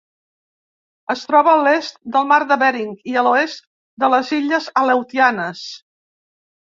Es troba a l'est del mar de Bering i l'oest de les illes Aleutianes.